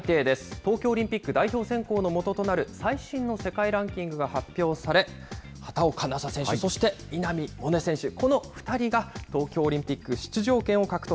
東京オリンピック代表選考のもととなる最新の世界ランキングが発表され、畑岡奈紗選手、そして稲見萌寧選手、この２人が東京オリンピック出場権を獲得。